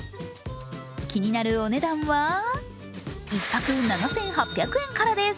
気になるお値段は１泊７８００円からです。